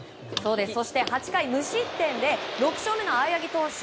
そして８回無失点で６勝目の青柳投手